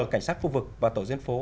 cảnh sát khu vực và tổ diện phố